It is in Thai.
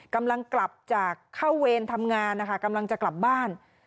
กำลังกลับจากเข้าเวรทำงานนะคะกำลังจะกลับบ้าน